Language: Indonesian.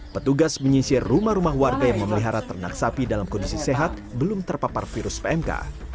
petugas menyisir rumah rumah warga yang memelihara ternak sapi dalam kondisi sehat belum terpapar virus pmk